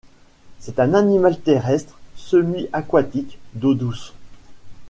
C'est un animal terrestre semi-aquatique d'eau douce.